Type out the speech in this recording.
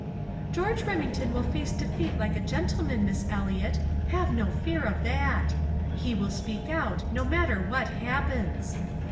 "George Remington will face defeat like a gentleman, Miss Eliot; have no fear of that. He will speak out, no matter what happens."